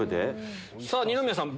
さぁ二宮さん